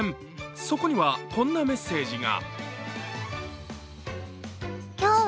そこにはこんなメッセージが。